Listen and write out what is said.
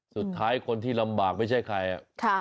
สุดท้ายคนที่ลำบากไม่ใช่ใคร